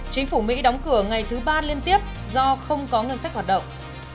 chính phủ mỹ đóng cửa ngày thứ ba liên tiếp do không có ngân sách hoạt động